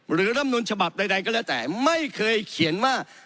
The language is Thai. หรือรับหนุนฉบับใดก็แล้วแต่ไม่เคยเขียนว่า